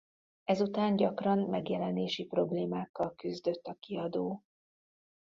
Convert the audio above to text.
Ezután gyakran megjelenési problémákkal küzdött a kiadó.